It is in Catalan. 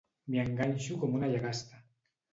M'hi enganxo com una llagasta.